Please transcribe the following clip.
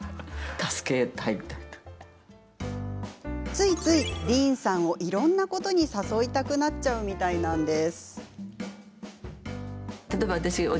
ついついディーンさんをいろんなことに誘いたくなっちゃうみたいなんです。